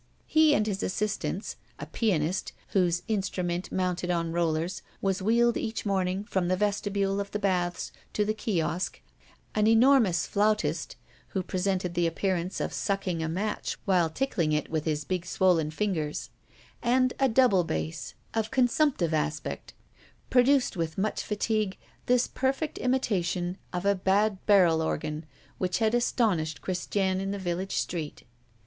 He and his assistants a pianist, whose instrument, mounted on rollers, was wheeled each morning from the vestibule of the baths to the kiosque; an enormous flautist, who presented the appearance of sucking a match while tickling it with his big swollen fingers, and a double bass of consumptive aspect produced with much fatigue this perfect imitation of a bad barrel organ, which had astonished Christiane in the village street.